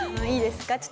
いいですか？